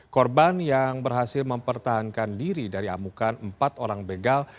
korban yang berhasil mempertahankan diri dari amukan empat orang begal